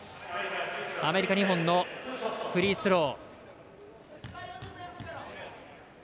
アメリカ、２本のフリースロー。